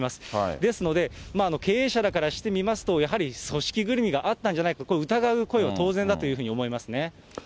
ですので、経営者らからしてみますと、やはり組織ぐるみがあったんじゃないか、これ、疑う声は当然だというふうに思いますね。